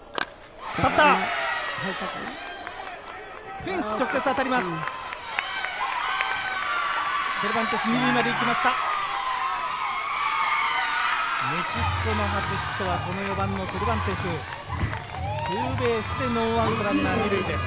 フェンスに直接当たります。